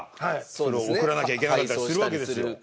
それを送らなきゃいけなかったりするわけですよ。